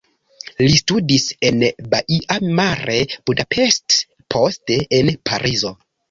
Li studis en Baia Mare, Budapest, poste en Parizo.